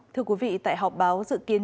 thưa quý vị tại họp báo dự kiến